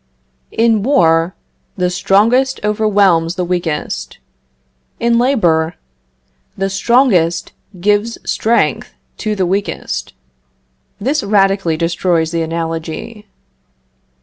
In war, the strongest overwhelms the weakest. In labor, the strongest gives strength to the weakest. This radically destroys the analogy.